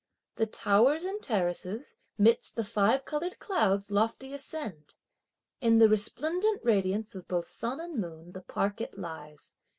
The towers and terraces 'midst the five coloured clouds lofty ascend! In the resplendent radiance of both sun and moon the park it lies!